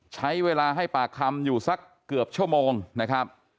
ใช้เวลาให้ปากคำอยู่สักเกือบชั่วโมงนะครับ